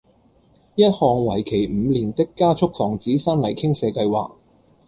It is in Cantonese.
一項為期五年的加速防止山泥傾瀉計劃